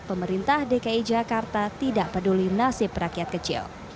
pemerintah dki jakarta tidak peduli nasib rakyat kecil